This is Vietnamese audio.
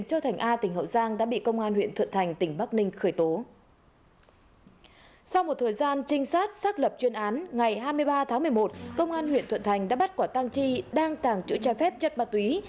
sau một thời gian trinh sát xác lập chuyên án ngày hai mươi ba tháng một mươi một công an huyện thuận thành đã bắt quả tăng chi đang tàng trữ trái phép chất ma túy